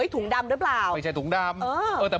ถุงดำหรือเปล่า